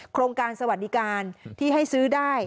โครงการสวัสดิการที่ให้ซื้อได้